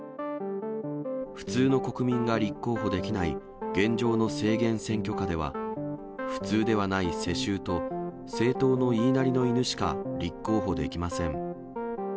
普通の国民が立候補できない現状の制限選挙下では、普通ではない世襲と、政党の言いなりの犬しか立候補できません。